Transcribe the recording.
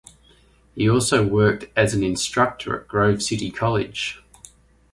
He also worked as an instructor at Grove City College.